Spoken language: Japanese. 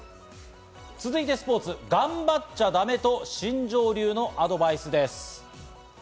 続いてスポーツ、頑張っちゃダメ！と新庄流のアドバイスです。